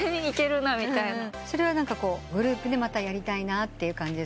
それはグループでまたやりたいなって感じ？